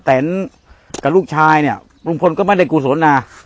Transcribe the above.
แต่นกับลูกชายเนี่ยลุงพลก็ไม่ได้กุศลนา